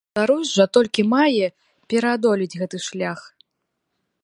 Беларусь жа толькі мае пераадолець гэты шлях.